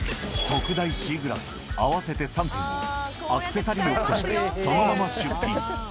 特大シーグラス合わせて３点を、アクセサリー置きとしてそのまま出品。